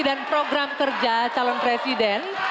dan program kerja calon presiden